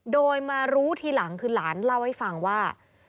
โดยมารู้ทีหลังคือหลานเล่าให้ฟังว่า